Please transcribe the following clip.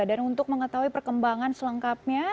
dan untuk mengetahui perkembangan selengkapnya